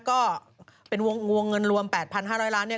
ก็เป็นวงเงินรวม๘๕๐๐ล้านเนี่ย